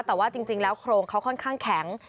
แต่ว่าจริงแล้วโครงเขาค่อนข้างแข็ง